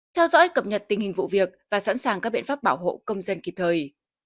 theo dõi cập nhật tình hình vụ việc và sẵn sàng các biện pháp bảo hộ công dân kịp thời